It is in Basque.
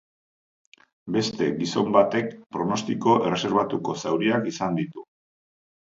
Beste gizon batek pronostiko erreserbatuko zauriak izan ditu.